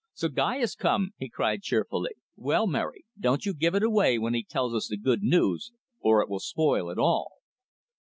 "So Guy has come," he cried cheerfully. "Well, Mary, don't you give it away when he tells us the good news, or it will spoil it all."